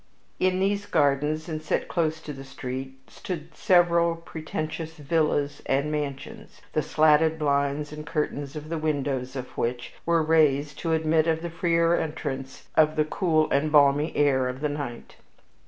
In these gardens, and set close to the street, stood several pretentious villas and mansions, the slatted blinds and curtains of the windows of which were raised to admit of the freer entrance of the cool and balmy air of the night.